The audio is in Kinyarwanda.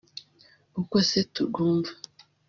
uko se turwumva